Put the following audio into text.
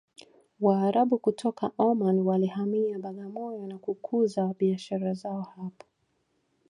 waarabu kutoka omani walihamia bagamoyo na kukuza biashara zao hapo